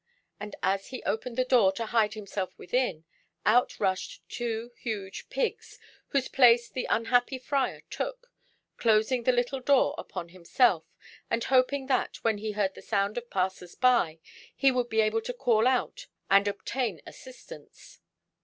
And as he opened the door to hide himself within, out rushed two huge pigs, whose place the unhappy Friar took, closing the little door upon himself, and hoping that, when he heard the sound of passers by, he would be able to call out and obtain assistance.